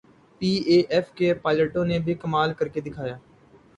P A F کے پائلٹوں نے بھی کمال کرکے دکھایا۔